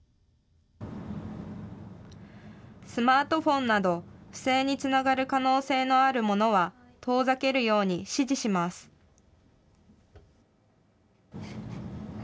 スマートフォンなど、不正につながる可能性のあるものは遠ざけるように指示します。